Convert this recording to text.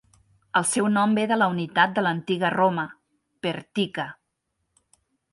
El seu nom ve de la unitat de l'antiga Roma "pertica".